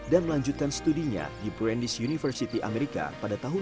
dan melanjutkan studinya di brandis university amerika pada tahun dua ribu sebelas